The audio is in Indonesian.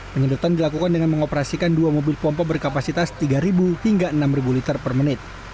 penyedotan dilakukan dengan mengoperasikan dua mobil pompa berkapasitas tiga hingga enam liter per menit